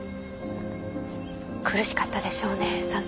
苦しかったでしょうねさぞ。